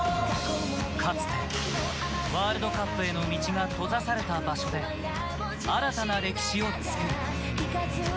かつてワールドカップへの道が閉ざされた場所で新たな歴史を作る。